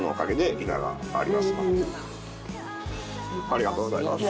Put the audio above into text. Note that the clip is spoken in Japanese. ありがとうございます。